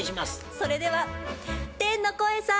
それでは天の声さん！